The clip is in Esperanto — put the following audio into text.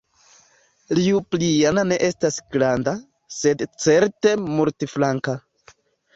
Ljubljana ne estas granda, sed certe multflanka.